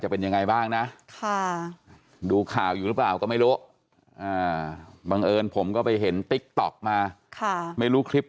แคร์ความรู้สึกของแฟนคลับนะครับ